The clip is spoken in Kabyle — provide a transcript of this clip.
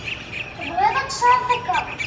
Tebɣiḍ ad tesɛuḍ takeṛṛust.